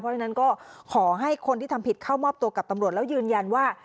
เพราะฉะนั้นก็ขอให้คนที่ทำผิดเข้ามอบตัวกับตำรวจแล้วยืนยันว่า